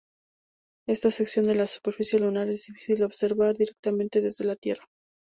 Esta sección de la superficie lunar es difícil de observar directamente desde la Tierra.